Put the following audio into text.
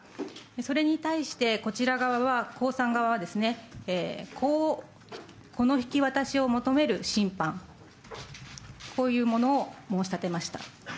それに対してこちら側は、江さん側はですね、子の引き渡しを求める審判、こういうものを申し立てました。